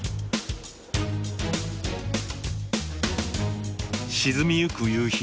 沈みゆく夕日。